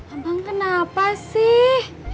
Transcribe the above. abang kenapa sih